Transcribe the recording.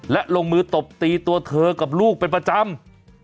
และลงมือตบตีตัวเธอกับลูกเป็นประจำ